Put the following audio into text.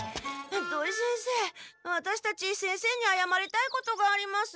土井先生ワタシたち先生にあやまりたいことがあります。